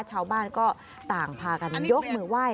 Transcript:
ชาวบ้านก็ต่างพากันยกมือไหว้